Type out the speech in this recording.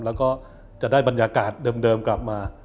แล้วก็จะได้บรรยากาศเดิมกลับมา